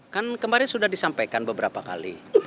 kan kemarin sudah disampaikan beberapa kali